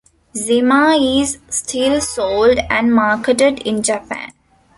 Zima is still sold and marketed in Japan.